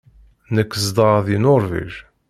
Nekk zedɣeɣ deg Nuṛwij.